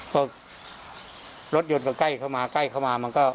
พอรถยนต์ก็ใกล้เข้ามาใกล้เข้ามามันก็